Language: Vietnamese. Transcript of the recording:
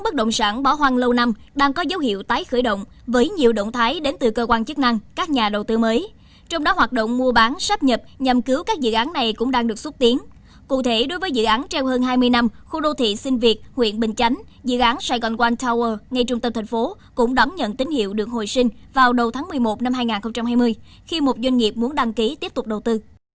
trong hơn hai mươi năm khu đô thị sinh việt huyện bình chánh dự án saigon one tower ngay trung tâm thành phố cũng đón nhận tín hiệu được hồi sinh vào đầu tháng một mươi một năm hai nghìn hai mươi khi một doanh nghiệp muốn đăng ký tiếp tục đầu tư